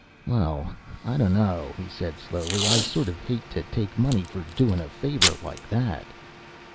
"Well, I dunno!" he said slowly. "I sort of hate to take money for doin' a favor like that."